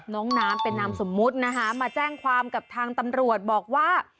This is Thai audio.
น้องน้ำเป็นนามสมมุตินะคะมาแจ้งความกับทางตำรวจบอกว่า